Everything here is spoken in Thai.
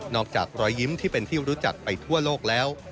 อกจากรอยยิ้มที่เป็นที่รู้จักไปทั่วโลกแล้ว